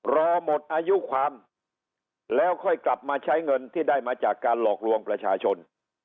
รอหมดอายุความแล้วค่อยกลับมาใช้เงินที่ได้มาจากการหลอกลวงประชาชน